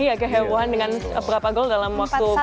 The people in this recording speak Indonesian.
iya kehebohan dengan berapa gol dalam waktu